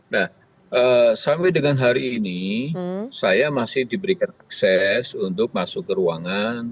nah sampai dengan hari ini saya masih diberikan akses untuk masuk ke ruangan